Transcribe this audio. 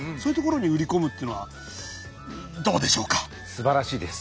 すばらしいです。